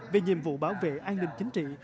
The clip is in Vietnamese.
về nhiệm vụ bảo vệ an ninh chính trị